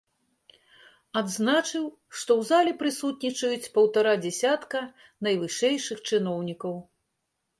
Адзначыў, што ў зале прысутнічаюць паўтара дзясятка найвышэйшых чыноўнікаў.